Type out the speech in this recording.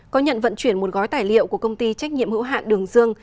có nhận vận chuyển một gói tài liệu của công ty trách nhiệm hữu hạn đường dương